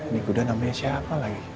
ini kuda namanya siapa lagi